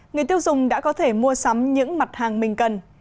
người tiêu dùng đã có thể mua sắm những mặt hàng mình cần